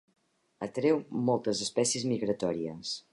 Atreu moltes espècies migratòries.